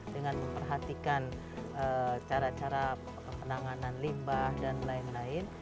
dengan memperhatikan cara cara penanganan limbah dan lain lain